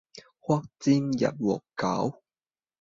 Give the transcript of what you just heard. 花間一壺酒，